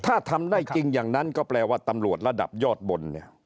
ถ้าทำได้จริงอย่างนั้นก็แปลว่าตำรวจระดับยอดบนเนี่ย